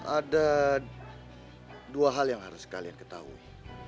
ada dua hal yang harus kalian ketahui